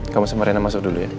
kamu sama rena masuk dulu ya